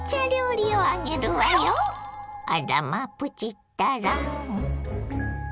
あらまぁプチったら。